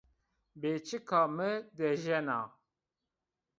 Bêçika mi dejena